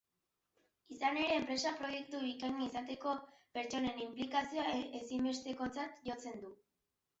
Izan ere, enpresa-proiektu bikaina izateko pertsonen inplikazioa ezinbestekotzat jotzen du.